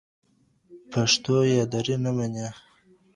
پښتو یا دري نه مني.